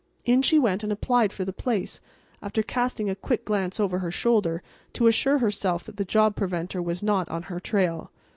In she went and applied for the place, after casting a quick glance over her shoulder to assure herself that the job preventer was not on her trail.